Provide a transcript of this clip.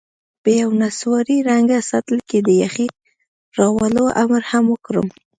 په یوه نسواري رنګه سطل کې د یخې راوړلو امر هم وکړم.